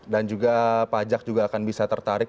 dan juga pajak juga akan bisa tertarik